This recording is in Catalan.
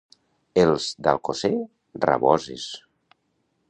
Els d'Alcosser, raboses.